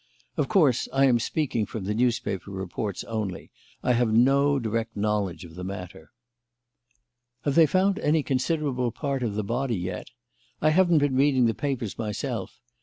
Of course, I am speaking from the newspaper reports only; I have no direct knowledge of the matter." "Have they found any considerable part of the body yet? I haven't been reading the papers myself.